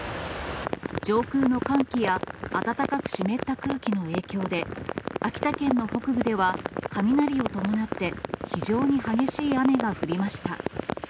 上空の寒気や暖かく湿った空気の影響で、秋田県の北部では雷を伴って、非常に激しい雨が降りました。